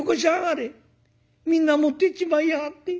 みんな持っていっちまいやがって。